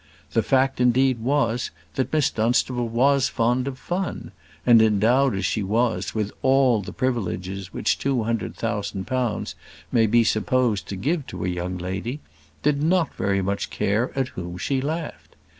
The fact indeed was, that Miss Dunstable was fond of fun; and, endowed as she was with all the privileges which two hundred thousand pounds may be supposed to give to a young lady, did not very much care at whom she laughed.